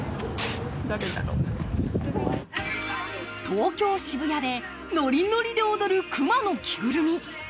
東京・渋谷でノリノリで踊る熊の着ぐるみ。